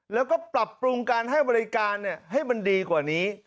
แล้วก็ปรับปรุงการให้บริการให้มันดีกว่านี้